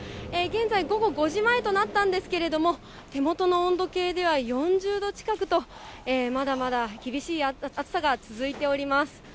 現在、午後５時前となったんですけれども、手元の温度計では４０度近くと、まだまだ厳しい暑さが続いております。